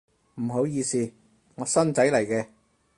唔好意思，我新仔嚟嘅